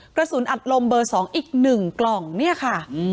กระสุนอัดลมเบอร์๒อีก๑กล่องนี่ค่ะ